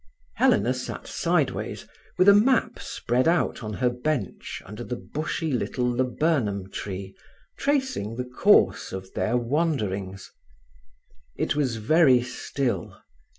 Helena sat sideways, with a map spread out on her bench under the bushy little laburnum tree, tracing the course of their wanderings. It was very still.